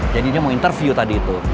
jadi dia mau interview tadi itu